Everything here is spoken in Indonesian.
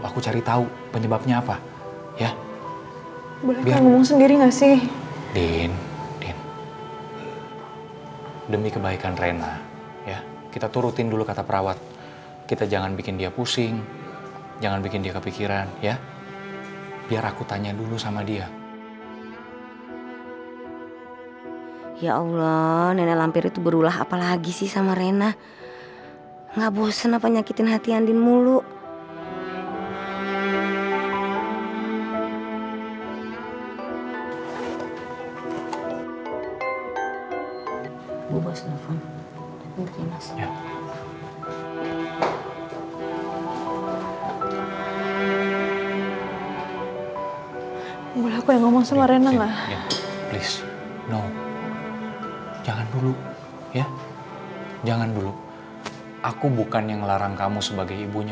aku bukan yang ngelarang kamu sebagai ibunya